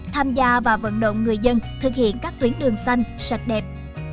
tham gia và vận động người dân thực hiện các tuyến đường xanh sạch đẹp